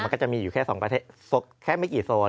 มันก็จะมีอยู่แค่๒ประเทศแค่ไม่กี่โซน